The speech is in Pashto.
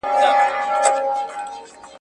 زه کولای سم لاس پرېولم!